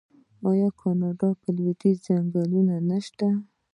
آیا د کاناډا په لویدیځ کې ځنګلونه نشته؟